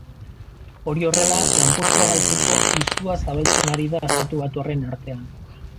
Hori horrela, lanpostua galtzeko izua zabaltzen ari da estatubatuarren artean.